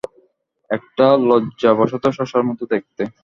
একটা লজ্জাবনত শসার মতো দেখতে।